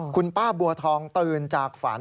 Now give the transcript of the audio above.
คุณป้าบัวทองตื่นจากฝัน